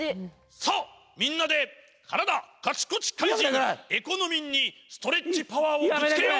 さあみんなでカラダカチコチ怪人エコノミンにストレッチパワーをぶつけよう！